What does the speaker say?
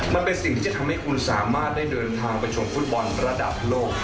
มันเป็นสิ่งที่จะทำให้คุณสามารถได้เดินทางไปชมฟุตบอลระดับโลก